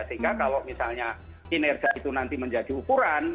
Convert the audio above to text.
sehingga kalau misalnya kinerja itu nanti menjadi ukuran